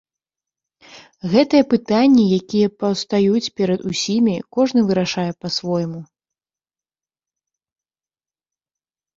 Гэтыя пытанні, якія паўстаюць перад усімі, кожны вырашае па-свойму.